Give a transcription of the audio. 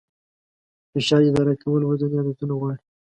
فشار اداره کول ورځني عادتونه غواړي.